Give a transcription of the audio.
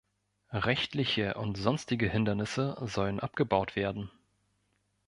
Rechtliche und sonstige Hindernisse sollen abgebaut werden.